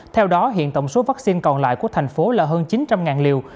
theo đó hiện tổng số vaccine còn lại của thành phố là hơn chín trăm linh liều